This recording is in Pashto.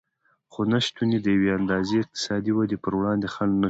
خو نشتون یې د یوې اندازې اقتصادي ودې پر وړاندې خنډ نه شو